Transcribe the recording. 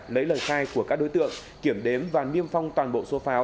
lấy lời khai của các đối tượng kiểm đếm và niêm phong toàn bộ số pháo